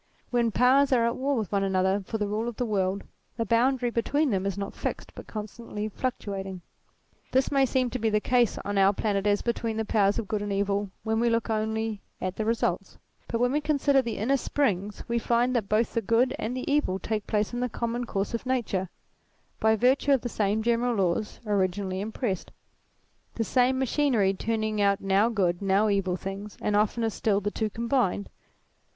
When powers are at war with one another for the rule of the world, the boundary between them is not fixed but constantly fluctuating. This may seem to be the case on our planet as between the powers of good and evil when we look only at the results ; but when we consider the inner springs, we find that both the good and the evil take place in the common course of nature, by virtue of the same general laws originally impressed the same machinery turning out now good, now evil things, and oftener still, the two combined.